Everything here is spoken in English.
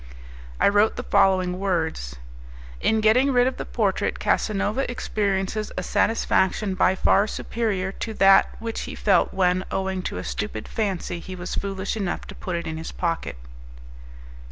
I wrote the following words: "In getting rid of the portrait, Casanova experiences a satisfaction by far superior to that which he felt when, owing to a stupid fancy, he was foolish enough to put it in his pocket."